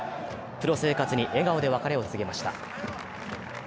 プロ生活に笑顔で別れを告げました。